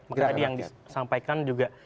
maka tadi yang disampaikan juga